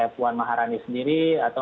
puan maharani sendiri atau